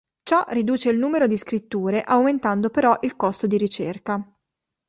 Ciò riduce il numero di scritture aumentando però il costo di ricerca.